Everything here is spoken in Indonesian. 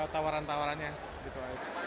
tawaran tawarannya gitu aja